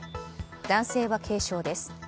男性は軽傷です。